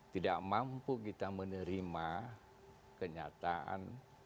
tidak mampu kita menerima kenyataan